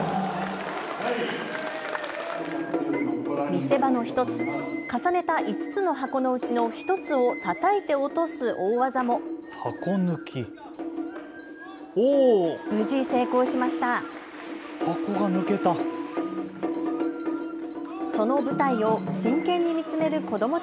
見せ場の１つ、重ねた５つの箱のうちの１つをたたいて落とす大技も。